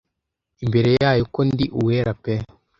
imbere yayo ko ndi uwera pe